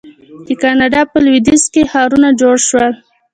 د کاناډا په لویدیځ کې ښارونه جوړ شول.